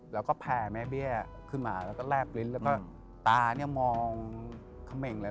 แล้วก็แผ่แม่เบี้ยขึ้นมาแล้วก็แลบลิ้นแล้วก็ตาเนี่ยมองเขม่งเลย